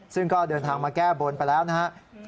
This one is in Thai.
ซึ่งก็เดินทางมาแก้บนไปแล้วนะครับ